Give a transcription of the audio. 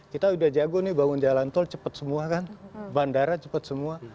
kita udah jago nih bangun jalan tol cepet semua kan bandara cepet semua